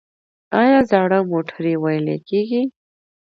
آیا زاړه موټرې ویلې کیږي؟